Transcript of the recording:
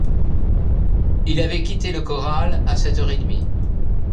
Il avait quitté le corral à sept heures et demie.